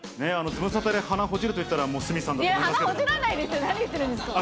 ズムサタで鼻ほじるといったら、もう鷲見さんだと思うんですけど。